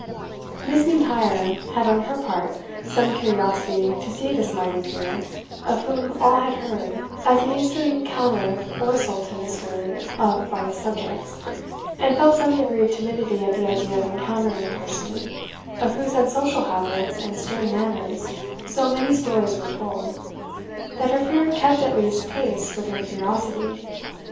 Miss M'Intyre had on her part some curiosity to see this mighty peer, of whom all had heard, as an eastern caliph or sultan is heard of by his subjects, and felt some degree of timidity at the idea of encountering a person, of whose unsocial habits and stern manners so many stories were told, that her fear kept at least pace with her curiosity.